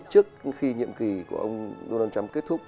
trước khi nhiệm kỳ của ông donald trump kết thúc